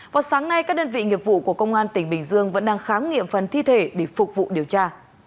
vào sáng nay các đơn vị nghiệp vụ của công an tỉnh bình dương vẫn đang khám nghiệm phần thi thể để phục vụ điều tra